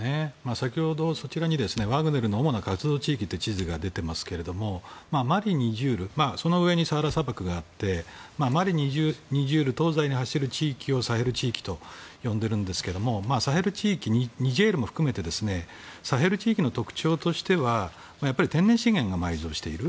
先ほど、そちらにワグネルの主な活動地域という地図が出てますがマリ、ニジェールそのうえにサハラ砂漠があってマリ、ニジェール東西に走る地域をサヘル地域と呼んでるんですけどニジェールも含めてサヘル地域の特徴としては天然資源が埋蔵している。